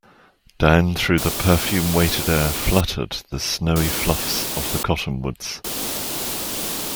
Down through the perfume weighted air fluttered the snowy fluffs of the cottonwoods.